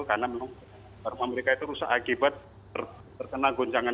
karena rumah mereka itu rusak akibat terkena goncangan